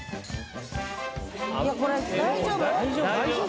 これ大丈夫！？